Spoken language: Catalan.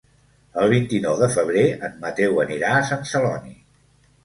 El vint-i-nou de febrer en Mateu anirà a Sant Celoni.